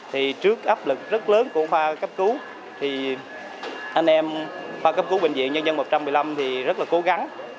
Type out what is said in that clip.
thì trước áp lực rất lớn của khoa cấp cứu thì anh em khoa cấp cứu bệnh viện nhân dân một trăm một mươi năm thì rất là cố gắng